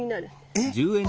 えっ？